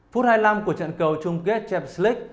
phút hai mươi năm của trận cầu chung kết champions league